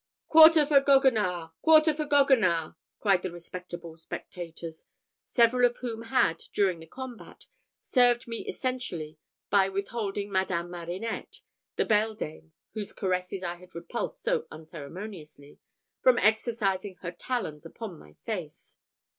"Quarter for Goguenard! Quarter for Goguenard!" cried the respectable spectators, several of whom had, during the combat, served me essentially by withholding Madame Marinette (the beldame whose caresses I had repulsed so unceremoniously) from exercising her talons upon my face.